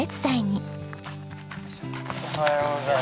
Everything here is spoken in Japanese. おはようございます。